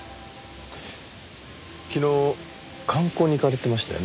昨日観光に行かれてましたよね？